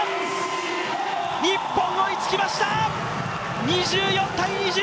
日本、追いつきました！